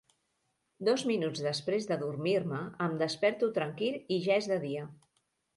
Dos minuts després d'adormir-me em desperto tranquil i ja és de dia.